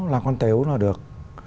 lạc quan tếu là được